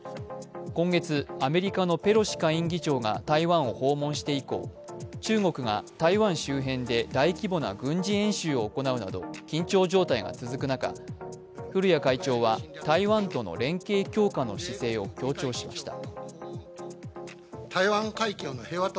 今月アメリカのペロシ下院議長が台湾を訪問して以降、中国が台湾周辺で大規模な軍事演習を行うなど緊張状態が続く中、古屋会長は台湾との連携強化の姿勢を強調しました。